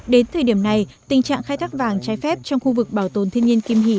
đến thời điểm này tình trạng khai thác vàng trái phép trong khu vực bảo tồn thiên nhiên kim hỷ